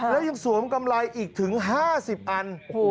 แล้วยังสวมกำไรอีกถึง๕๐อัน